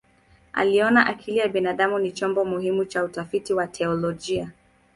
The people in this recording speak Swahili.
Aliona akili ya binadamu ni chombo muhimu cha utafiti wa teolojia.